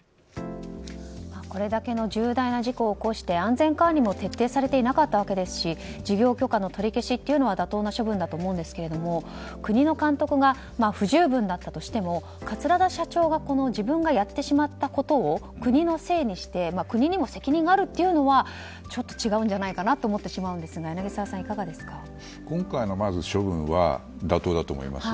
これだけの重大な事故を起こし安全管理も徹底されていなかったわけですし事業許可の取り消しは妥当な処分だと思うんですが国の監督が不十分だったとしても桂田社長が自分がやってしまったことを国のせいにして国にも責任があるというのはちょっと違うんじゃないかなと思ってしまうんですが今回の処分は妥当だと思います。